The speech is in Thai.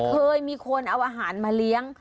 เคยมีคนเอาอาหารมาเลี้ยง